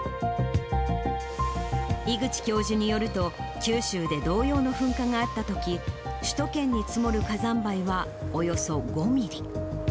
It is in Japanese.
井口教授によると、九州で同様の噴火があったとき、首都圏に積もる火山灰はおよそ５ミリ。